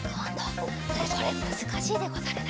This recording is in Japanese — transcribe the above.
それむずかしいでござるな。